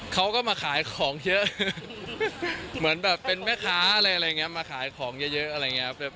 เขาก็มาขายของเยอะเหมือนแบบเป็นแม่ค้าอะไรอะไรอย่างนี้มาขายของเยอะอะไรอย่างนี้